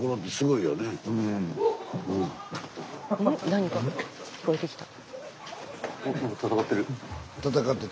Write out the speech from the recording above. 何か聞こえてきた。